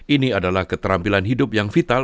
ini adalah keterampilan hidup yang vital